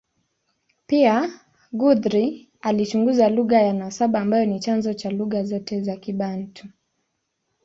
Pia, Guthrie alichunguza lugha ya nasaba ambayo ni chanzo cha lugha zote za Kibantu.